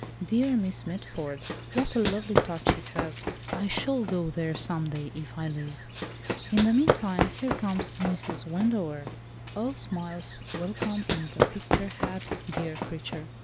Dear Miss Mitford! what a lovely touch she has! I shall go there some day if I live. In the meantime here comes Mrs. Wendover, all smiles, welcome, and a picture hat, dear creature!